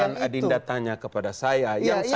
bukan adinda tanya kepada saya